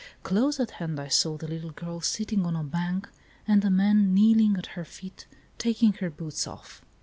Close at hand I saw the little girl sitting on a bank, and a man kneeling at her feet taking her boots off.